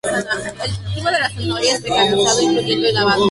El cultivo de la zanahoria es mecanizado, incluyendo el lavado.